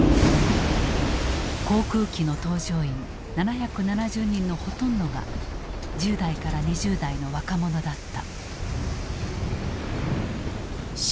航空機の搭乗員７７０人のほとんどが１０代から２０代の若者だった。